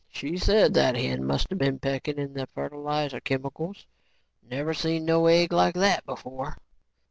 "She said that hen musta been pecking in the fertilizer chemicals. Never seen no egg like that before."